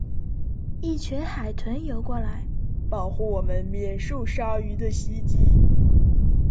一群海豚游过来保护我们免受鲨鱼的袭击。